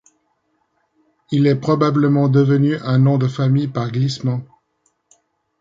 Il est probablement devenu un nom de famille par glissement.